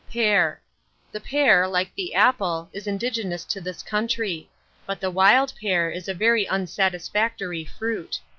PEAR. The pear, like the apple, is indigenous to this country; but the wild pear is a very unsatisfactory fruit.